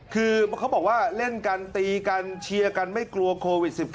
คือเขาบอกว่าเล่นกันตีกันเชียร์กันไม่กลัวโควิด๑๙